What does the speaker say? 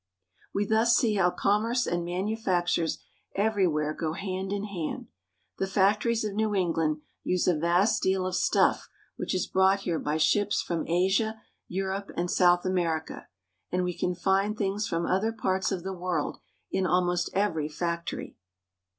We thus see how commerce and manufactures every where go hand in hand. The factories of New England use a vast deal of stuff which is brought here by ships from Asia, Europe, and South America, and we can find things from other parts of the world in almost every fac tory.